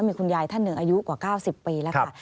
มีคุณยายท่านหนึ่งอายุกว่า๙๐ปีแล้วค่ะ